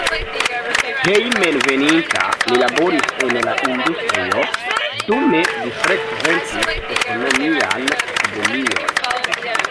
Hejmenveninta li laboris en la industrio, dume li frekventis ekonomian akademion.